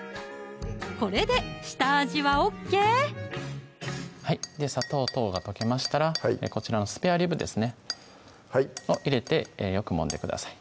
これで下味はＯＫ砂糖等が溶けましたらこちらのスペアリブですね入れてよくもんでください